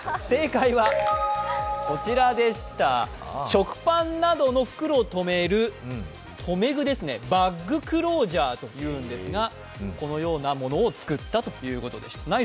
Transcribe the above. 正解はこちらでした、食パンなどの袋をとめる留め具ですね、バッグ・クロージャーというんですが、このようなものを作ったということでした。